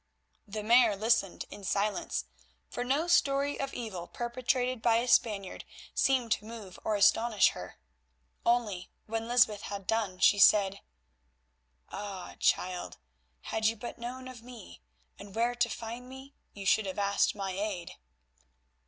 The Mare listened in silence, for no story of evil perpetrated by a Spaniard seemed to move or astonish her, only when Lysbeth had done, she said: "Ah! child, had you but known of me, and where to find me, you should have asked my aid."